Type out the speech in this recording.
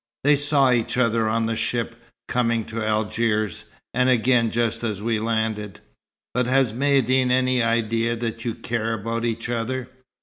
"They saw each other on the ship, coming to Algiers and again just as we landed." "But has Maïeddine any idea that you care about each other?"